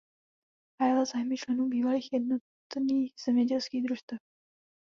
Hájila zájmy členů bývalých Jednotných zemědělských družstev.